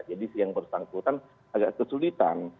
jadi yang bersangkutan agak kesulitan